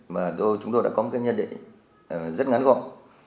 và chúng tôi đã có một cái nhân định rất ngắn gọn